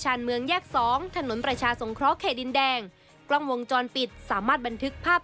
เมืองแยกสองถนนประชาสงเคราะห์เขตดินแดงกล้องวงจรปิดสามารถบันทึกภาพ